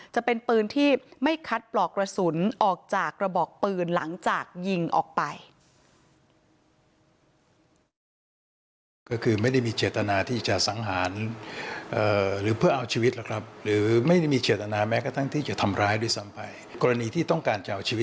จะเป็นปืนที่ไม่คัดปลอกกระสุนออกจากกระบอกปืนหลังจากยิงออกไป